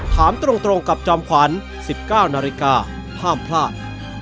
ถามตรงกับจอมขวัญ๑๙นาฬิกาห้ามพลาด